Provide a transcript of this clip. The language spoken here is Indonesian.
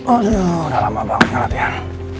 aduh udah lama bangetnya latihan